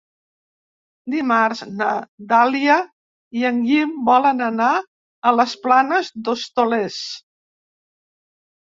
Dimarts na Dàlia i en Guim volen anar a les Planes d'Hostoles.